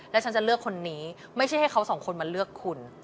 แล้วฉันจะเลือกคนนี้ไม่ใช่ให้เขาสองคนมาเลือกคุณ